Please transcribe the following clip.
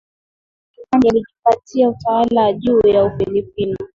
dhidi Hispania ilijipatia utawala juu ya Ufilipino